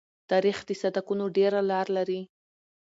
تاریخ د صدقونو ډېره لار لري.